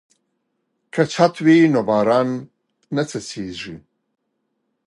که چت وي نو باران نه څڅیږي.